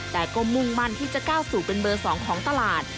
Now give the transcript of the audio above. แต่ก็มุ่งมั่นที่จะก้าวสู่เป็นเบอร์๒ของตลาด